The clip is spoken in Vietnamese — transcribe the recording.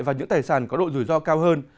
và những tài sản có độ rủi ro cao hơn